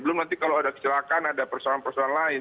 belum nanti kalau ada kecelakaan ada persoalan persoalan lain